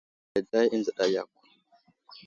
Giya aslər dayday i nzəɗa yakw.